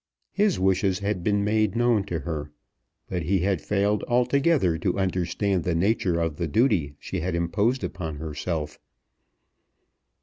His wishes had been made known to her; but he had failed altogether to understand the nature of the duty she had imposed upon herself.